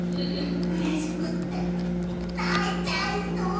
うれしくって泣いちゃいそう。